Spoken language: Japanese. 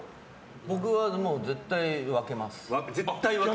僕は、絶対分けます。